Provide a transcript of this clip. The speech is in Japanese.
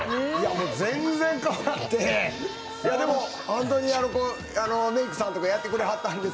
全然変わって、でも、本当にメークさんとかやってくれはったんで。